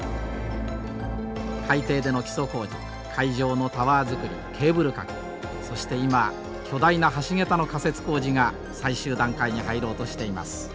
海底での基礎工事海上のタワー造りケーブル架けそして今巨大な橋桁の架設工事が最終段階に入ろうとしています。